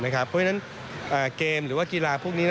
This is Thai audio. เพราะฉะนั้นเกมหรือว่ากีฬาพวกนี้